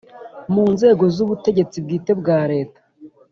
Mu nzego z ubutegetsi bwite bwa Leta